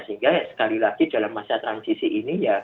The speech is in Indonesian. sehingga sekali lagi dalam masa transisi ini ya